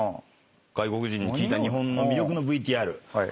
外国人に聞いた日本の魅力のＶＴＲ見てみましょう。